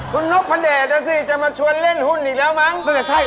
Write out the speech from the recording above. คุณนกพระเดชนอ่ะสิจะมาชวนเล่นหุ้นอีกแล้วมั้ง